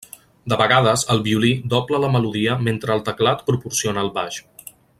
De vegades, el violí dobla la melodia mentre el teclat proporciona el baix.